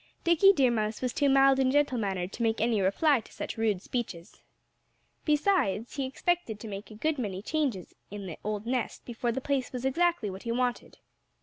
Dickie Deer Mouse was too mild and gentle mannered to make any reply to such rude speeches. Besides, he expected to make a good many changes in the old nest before the place was exactly what he wanted.